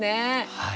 はい。